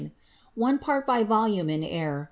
One Part by Volume in Air.